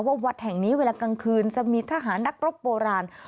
วัดแห่งนี้เวลากลางคืนจะมีทหารนักรบโบราณ